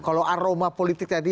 kalau aroma politik tadi